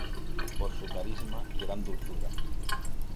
Por su carisma y gran dulzura.